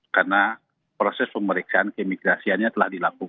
karena proses pemeriksaan keimigrasiannya telah disediakan